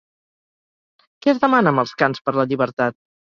Què es demana amb els Cants per la Llibertat?